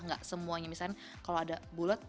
gak semuanya misalnya kalau ada bulat